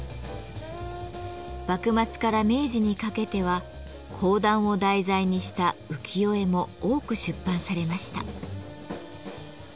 幕末から明治にかけては講談を題材にした浮世絵も多く出版されました。